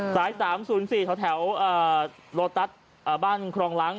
สาย๓๐๔แถวโลตัสบ้านครองล้าง